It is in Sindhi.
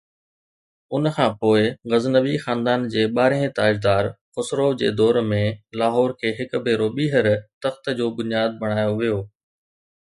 ان کان پوءِ غزنوي خاندان جي ٻارهين تاجدار خسروءَ جي دور ۾، لاهور کي هڪ ڀيرو ٻيهر تخت جو بنياد بڻايو ويو.